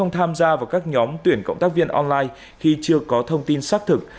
tham gia vào các nhóm tuyển cộng tác viên online khi chưa có thông tin xác thực